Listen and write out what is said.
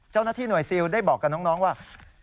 เจ้าหน้าที่หน่วยซิลได้บอกกับน้องว่า